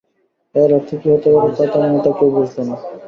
এর অর্থ কী হতে পারে, তা তেমন একটা কেউ বুঝল না।